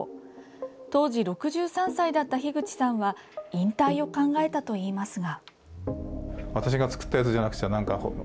当時６３歳だった樋口さんは引退を考えたといいますが。